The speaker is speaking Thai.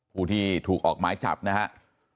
ผู้ที่ถูกออกหมายจับนะครับ